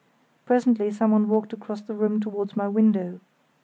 Presently someone walked across the room towards my window.